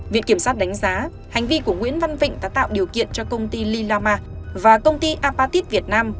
viện kiểm sát đánh giá hành vi của nguyễn văn vịnh đã tạo điều kiện cho công ty lila ma và công ty apatit việt nam